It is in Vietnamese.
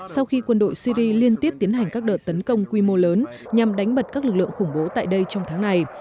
sau khi quân đội syri liên tiếp tiến hành các đợt tấn công quy mô lớn nhằm đánh bật các lực lượng khủng bố tại đây trong tháng này